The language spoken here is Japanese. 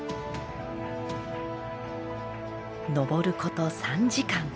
登ること３時間。